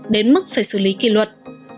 đến mức phải xử lý kỷ luật